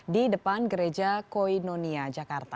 di depan gereja koinonia jakarta